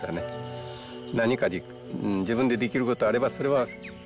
何か自分でできることがあればそれは。